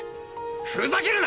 ふざけるな！